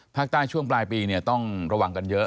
ภาคใต้ช่วงปลายปีเนี่ยต้องระวังกันเยอะ